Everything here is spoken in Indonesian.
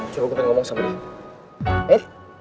coba gue pengen ngomong sama dia